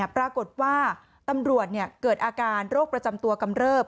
ปรากฏว่าตำรวจเกิดอาการโรคประจำตัวกำเริบ